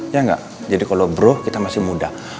ya enggak jadi kalau bro kita masih muda